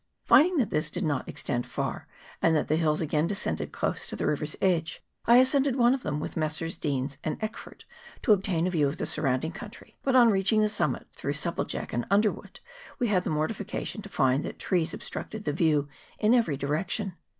Finding that this did not extend far, and that the hills again descended close to the river's edge, I ascended one of them with Messrs. Deans and Eck ford, to obtain a view of the surrounding country ; but on reaching the summit, through supplejack and underwood, we had the mortification to find that trees obstructed the view in every direction.